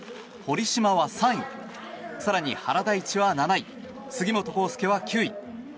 堀島は３位更に原大智は７位杉本幸祐は９位。